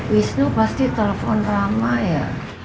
wisnu pasti telepon ramai ya